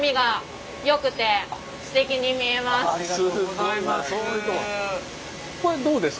ありがとうございます。